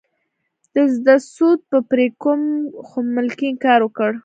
د زده سود به پرې کوم خو ملکې انکار وکړ.